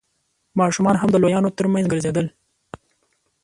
ماشومان هم د لويانو تر مينځ ګرځېدل.